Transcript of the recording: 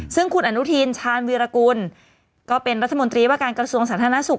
ซึ่งคุณอนุทินชาญวีรกุลก็เป็นรัฐมนตรีว่าการกระทรวงสาธารณสุข